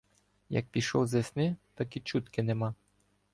як пішов з весни, так і чутки нема.